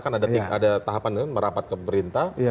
karena ada tahapan merapat ke pemerintah